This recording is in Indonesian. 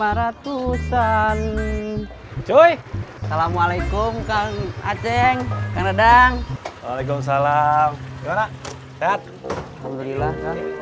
urusan cuy assalamualaikum kang aceh kang redang waalaikumsalam gimana sehat alhamdulillah